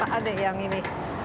pak ade yang ini